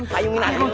jangan pakai nomor